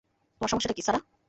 তোমার সমস্যাটা কী, স্যারা?